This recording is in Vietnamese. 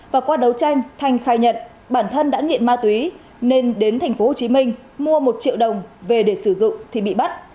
và qua đấu tranh thanh khai nhận bản thân đã nghiện ma túy nên đến thành phố hồ chí minh mua một triệu đồng về để sử dụng thì bị bắt